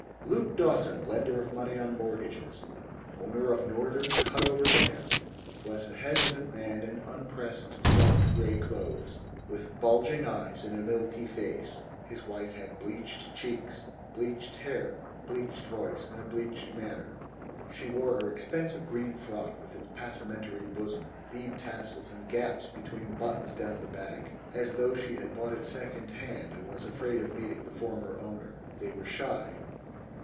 Luke Dawson, lender of money on mortgages, owner of Northern cut over land, was a hesitant man in unpressed soft gray clothes, with bulging eyes in a milky face. His wife had bleached cheeks, bleached hair, bleached voice, and a bleached manner. She wore her expensive green frock, with its passementeried bosom, bead tassels, and gaps between the buttons down the back, as though she had bought it second hand and was afraid of meeting the former owner. They were shy.